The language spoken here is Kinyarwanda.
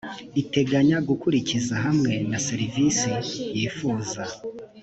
iteganya gukurikiza hamwe na serivisi yifuza